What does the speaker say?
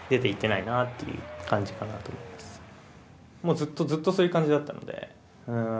ずっとずっとそういう感じだったので。